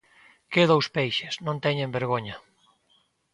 Que dous peixes! Non teñen vergoña!